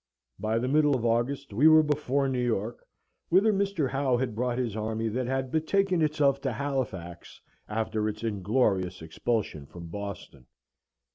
By the middle of August we were before New York, whither Mr. Howe had brought his army that had betaken itself to Halifax after its inglorious expulsion from Boston.